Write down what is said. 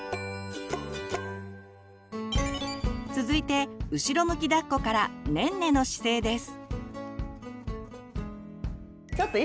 続いて後ろ向きだっこからねんねの姿勢です。